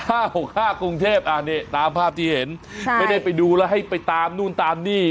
หกห้ากรุงเทพอ่านี่ตามภาพที่เห็นค่ะไม่ได้ไปดูแล้วให้ไปตามนู่นตามนี่